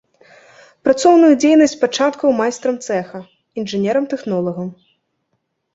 Працоўную дзейнасць пачаткаў майстрам цэха, інжынерам-тэхнолагам.